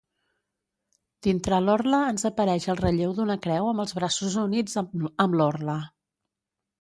Dintre l'orla ens apareix el relleu d'una creu amb els braços units amb l'orla.